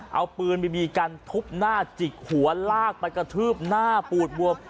เอาปืนบีบีกันทุบหน้าจิกหัวลากไปกระทืบหน้าปูดบวม